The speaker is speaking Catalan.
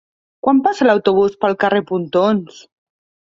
Quan passa l'autobús pel carrer Pontons?